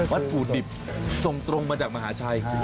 วัตถุดิบส่งตรงมาจากมหาชัย